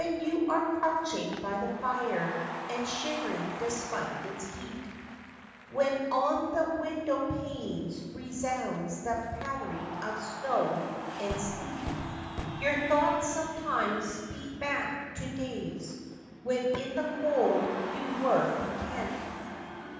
/ YOU are crouching by the fire, and shivering despite its heat; When on the win¬ dow panes re¬ sounds the patter¬ ing of snow and sleet, Your thoughts some¬ times speed back to days when in the cold you were content.